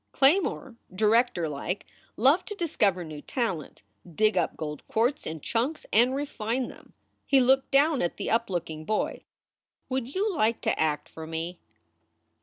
Claymore, directorlike, loved to discover new talent, dig up gold quartz in chunks and refine them. He looked down at the up looking boy. "Would you like to act for me?"